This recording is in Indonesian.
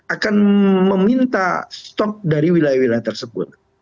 akan meminta stok dari wilayah wilayah tersebut